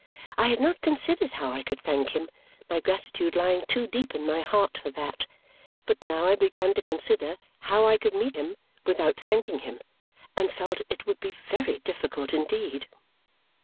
I had not considered how I could thank him, my gratitude lying too deep in my heart for that; but I now began to consider how I could meet him without thanking him, and felt it would be very difficult indeed.